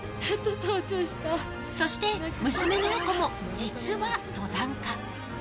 そして、娘の絵子も実は登山家。